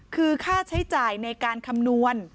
คือค่าใช้จ่ายในการคำนวณ